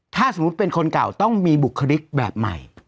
ถ้าสมมุติเป็นคนเก่าต้องมีบุคลิกแบบใหม่